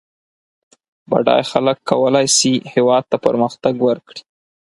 بډای خلک کولای سي هېواد ته پرمختګ ورکړي